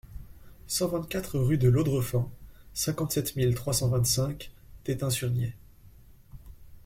cent vingt-quatre rue de Laudrefang, cinquante-sept mille trois cent quatre-vingt-cinq Teting-sur-Nied